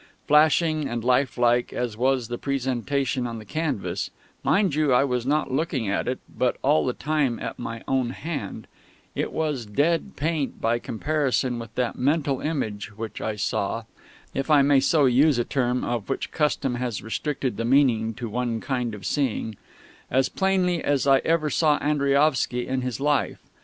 Flashing and life like as was the presentation on the canvas (mind you, I was not looking at it, but all the time at my own hand), it was dead paint by comparison with that mental image which I saw (if I may so use a term of which custom has restricted the meaning to one kind of seeing) as plainly as I ever saw Andriaovsky in his life.